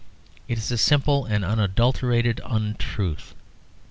It is a simple and unadulterated untruth.